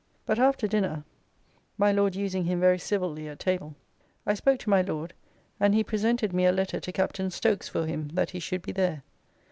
But after dinner (my Lord using him very civilly, at table) I spoke to my Lord, and he presented me a letter to Captain Stokes for him that he should be there.